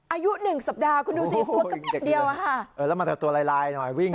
อายุหนึ่งสัปดาห์คุณดูสิตัวกระเปียกเดียวอะค่ะเออแล้วมันจะตัวลายลายหน่อยวิ่ง